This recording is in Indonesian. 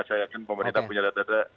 saya yakin pemerintah punya data data